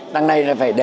đằng này là phải